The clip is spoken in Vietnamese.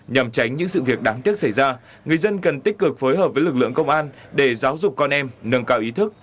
nhằm tránh những sự việc đáng tiếc xảy ra người dân cần tích cực phối hợp với lực lượng công an để giáo dục con em nâng cao ý thức